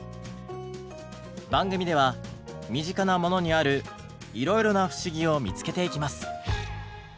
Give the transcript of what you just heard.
番組では身近なものにあるいろいろな不思議を見つけていきます。